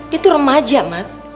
dia tuh remaja mas